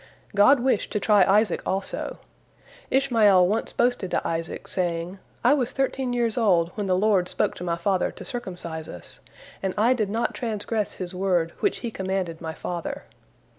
" God wished to try Isaac also. Ishmael once boasted to Isaac, saying, "I was thirteen years old when the Lord spoke to my father to circumcise us, and I did not transgress His word, which He commanded my father."